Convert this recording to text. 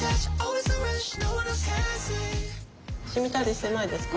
しみたりしてないですか？